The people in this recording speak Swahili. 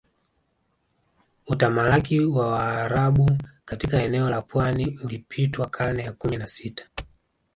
Utamalaki wa Waarabu katika eneo la pwani ulipitwa karne ya kumi na sita